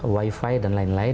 wifi dan lain lain